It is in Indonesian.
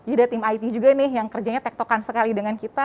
ada tim it juga yang kerjanya tek tokan sekali dengan kita